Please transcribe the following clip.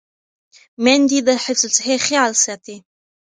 میندې د حفظ الصحې خیال ساتي.